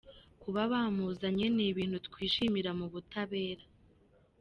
Kuba bamuzanye ni ibintu twishimira mu butabera.